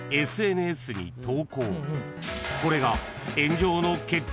［これが］